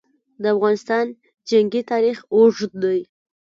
د افغانستان جنګي تاریخ اوږد دی.